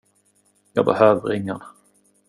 Jag behöver ingen.